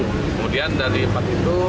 kemudian dari empat itu